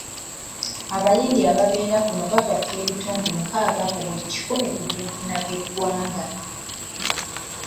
Abayindi ababeera kuno bagatta ebitundu nkaaga ku buli kikumi ku byenfuna bye ggwanga.